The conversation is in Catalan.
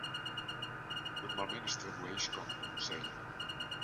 Normalment es tradueix com "consell".